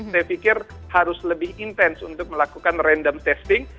saya pikir harus lebih intens untuk melakukan random testing